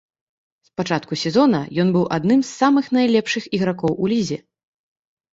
З пачатку сезона ён быў адным з самых найлепшых ігракоў у лізе.